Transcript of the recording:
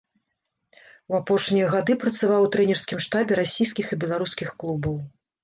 У апошнія гады працаваў у трэнерскім штабе расійскіх і беларускіх клубаў.